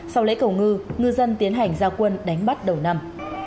sau lễ cầu ngư dân tiến hành gia quân đánh bắt đầu năm